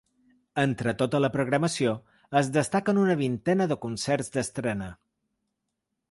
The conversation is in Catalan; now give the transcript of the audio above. Entre tota la programació, es destaquen una vintena de concerts d’estrena.